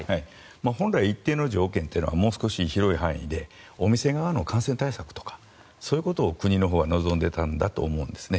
本来、一定の条件というのは広い範囲でお店側の感染対策とかそういうことを国のほうは望んでいたんだと思いますね。